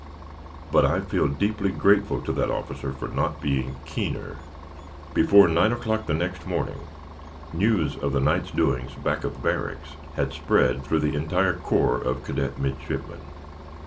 But I feel deeply grateful to that officer for not being keener." Before nine o'clock the next morning news of the night's doings back of barracks had spread through the entire corps of cadet midshipmen.